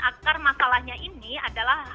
akar masalahnya ini adalah